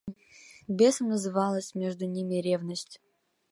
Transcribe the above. Бесом называлась между ними ревность.